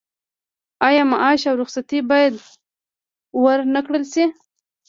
آیا معاش او رخصتي باید ورنکړل شي؟